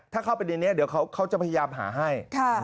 ถ้าเข้าประเด็นนี้เดี๋ยวเขาจะพยายามหาให้